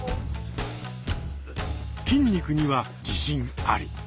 筋肉には自信あり。